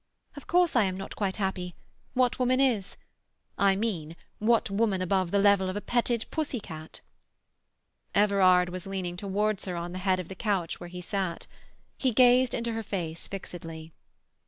"Of course I am not quite happy. What woman is? I mean, what woman above the level of a petted pussy cat?" Everard was leaning towards her on the head of the couch where he sat. He gazed into her face fixedly.